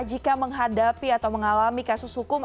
jika menghadapi atau mengalami kasus hukum